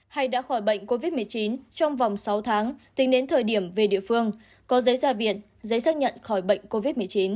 hay đã khỏi bệnh covid một mươi chín trong vòng sáu tháng tính đến thời điểm về địa phương có giấy ra viện giấy xác nhận khỏi bệnh covid một mươi chín